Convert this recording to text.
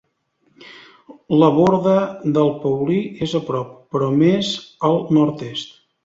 La Borda del Paulí és a prop, però més al nord-est.